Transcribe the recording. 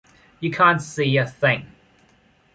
You can’t see a thing.